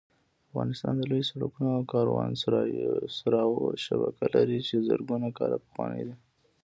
افغانستان د لویو سړکونو او کاروانسراوو شبکه لري چې زرګونه کاله پخوانۍ ده